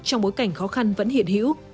trong bối cảnh khó khăn vẫn hiện hữu